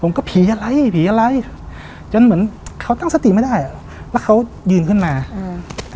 ก็ผีอะไรผีอะไรจนเหมือนเขาตั้งสติไม่ได้อ่ะแล้วเขายืนขึ้นมาอืม